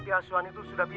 tidak ada yang bisa diambil